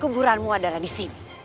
kuguranmu adalah di sini